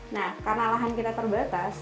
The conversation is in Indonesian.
nah karena lahan kita terbatas